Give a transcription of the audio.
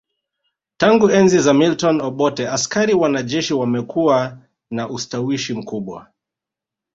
Tangu enzi za Milton Obote askari wanajeshi wamekuwa na ushawishi mkubwa